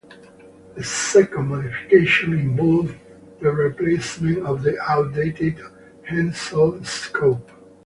The second modification involved the replacement of the outdated Hensoldt scope.